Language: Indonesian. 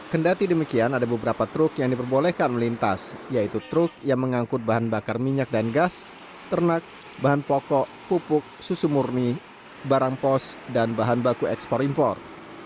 kendati demikian ada beberapa truk yang diperbolehkan melintas yaitu truk yang mengangkut bahan bakar minyak dan gas ternak bahan pokok pupuk susu murni barang pos dan bahan baku ekspor impor